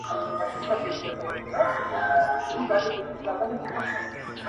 څو مېږیانو پکښي وکړل تقریرونه-